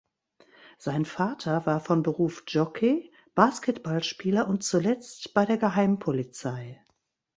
Sein Vater war von Beruf Jockey, Basketballspieler und zuletzt bei der Geheimpolizei.